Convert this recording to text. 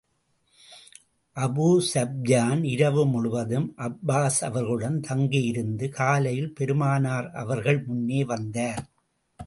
Abu Sufyan இரவு முழுதும் Abbas அவர்களுடன் தங்கியிருந்து, காலையில் பெருமானார் அவர்கள் முன்னே வந்தார்.